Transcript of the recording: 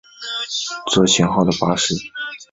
这型号的巴士同样售予非洲。